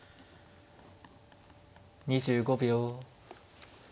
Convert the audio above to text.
２５秒。